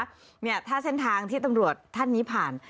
เนี่ยถ้าเส้นทางที่ตำรวจท่านนี้ผ่าน